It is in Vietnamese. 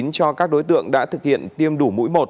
cho các đối tượng đã thực hiện tiêm đủ mũi một